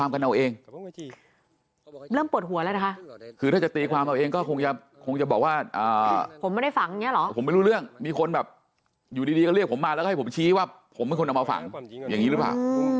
อยู่ดีก็เรียกผมมาแล้วให้ผมชี้ว่าผมไม่ควรเอามาฝังอย่างนี้หรือเปล่า